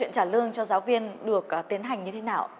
cho giáo viên được tiến hành như thế nào